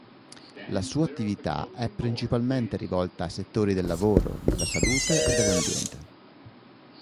La sua attività è principalmente rivolta ai settori del lavoro, della salute e dell'ambiente.